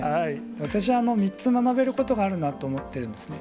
私は３つ学べることがあるなと思ってるんですね。